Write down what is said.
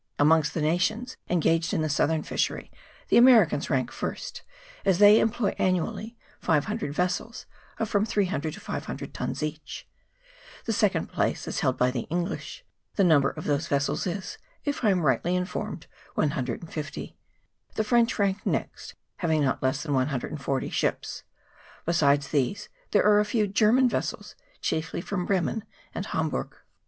Amongst the nations engaged in the southern fishery the Americans rank first, as they employ annually 500 vessels, of from 300 to 500 tons each ; the second place is held by the English, the number of whose vessels is, if I am rightly informed, 150 ; the French rank next, having not less than 140 ships. Besides these there are a few German vessels, chiefly from Bremen and Hamburgh.